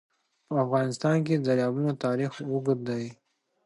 په افغانستان کې د دریابونه تاریخ اوږد دی.